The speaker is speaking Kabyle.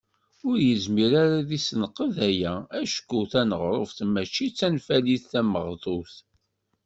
Ur yezmir ara ad isenqed aya acku taneɣruft mačči d tanfalit tameɣtut.